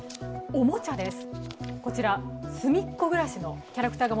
おもちゃです。